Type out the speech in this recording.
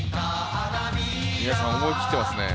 皆さん、思い切ってますね。